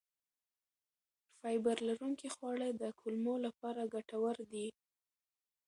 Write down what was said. فایبر لرونکي خواړه د کولمو لپاره ګټور دي.